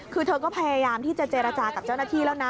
คือเธอก็พยายามที่จะเจรจากับเจ้าหน้าที่แล้วนะ